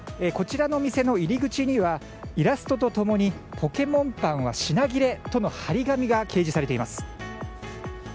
こちらの店の入り口にはイラスト共にポケモンパンは品切れとの貼り紙が掲示されています。